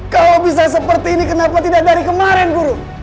kalau bisa seperti ini kenapa tidak dari kemarin guru